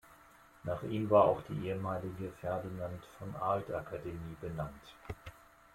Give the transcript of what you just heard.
Nach ihm war auch die ehemalige "Ferdinand-von-Arlt-Akademie" benannt.